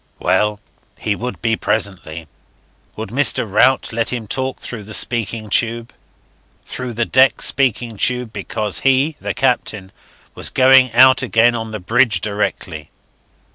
Well, he would be presently. Would Mr. Rout let him talk through the speaking tube? through the deck speaking tube, because he the Captain was going out again on the bridge directly.